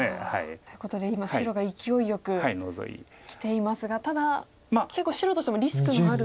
ということで今白がいきおいよくきていますがただ結構白としてもリスクのある打ち方。